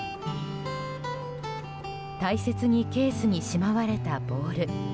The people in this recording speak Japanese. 大切にケースにしまわれたボール。